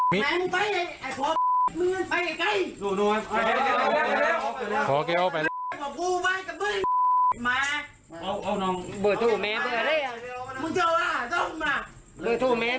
มงจะว่าจะจะทำอะไร